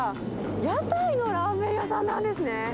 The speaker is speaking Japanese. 屋台のラーメン屋さんなんですね。